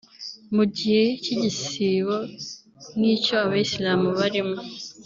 Mu gihe cy’igisibo nk’icyo Abayislamu barimo